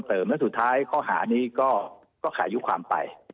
และสุดท้ายข้อหานี้ก็ขายุความไป